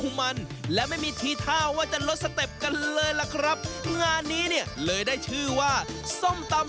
วเวทีสะเทือน